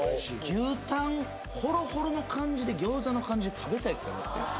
牛タンホロホロの感じで餃子の感じで食べたいですかだ